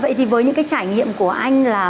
vậy thì với những cái trải nghiệm của anh là